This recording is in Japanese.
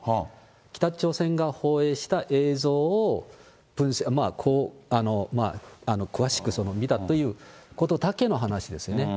北朝鮮が放映した映像を詳しく見たということだけの話ですよね。